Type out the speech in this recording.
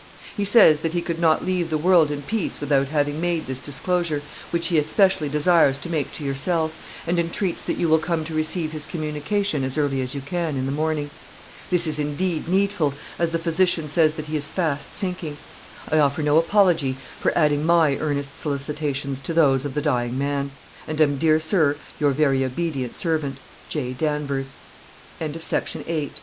He says that he could not leave the world in peace without having made this disclosure, which he especially desires to make to yourself, and entreats that you will come to receive his communication as early as you can in the morning. This is indeed needful, as the physician says that he is fast sinking. I offer no apology for adding my earnest solicitations to those or the dying man; and am, dear sir, your very obedient servant, "J. Danvers" "He regards it as a merciful